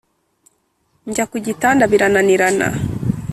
njya ku gitanda birananirana.